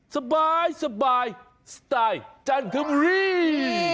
สบายสบายชันทบุรี